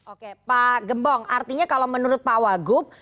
oke pak gembong artinya kalau menurut pak wagub